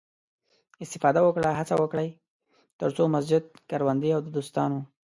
استفاده وکړئ، هڅه وکړئ، تر څو مسجد، کروندې او د دوستانو